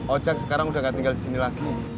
ojek sekarang udah gak tinggal di sini lagi